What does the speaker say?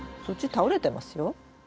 そっち倒れてますよ。